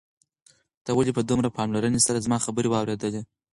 تا ولې په دومره پاملرنې سره زما خبرې واورېدې؟